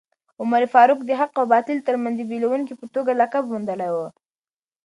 عمر فاروق د حق او باطل ترمنځ د بېلوونکي په توګه لقب موندلی و.